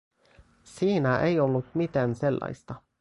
Siinä ei ollut mitään sellaista.